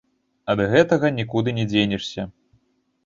Ад гэтага нікуды не дзенешся.